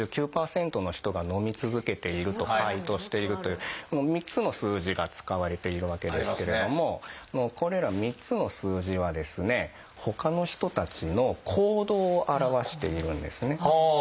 ９９％の人が飲み続けている」と回答しているという３つの数字が使われているわけですけれどもこれら３つの数字はですねほかの人たちの行動を表しているんですね。